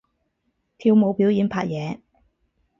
跳舞表演拍嘢